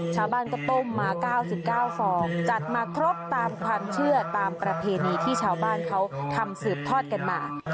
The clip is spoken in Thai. ชาวบ้านก็ต้มมา๙๙ฟองจัดมาครบตามความเชื่อตามประเพณีที่ชาวบ้านเขาทำสืบทอดกันมา